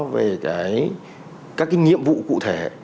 về các nhiệm vụ cụ thể